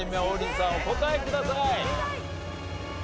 お答えください。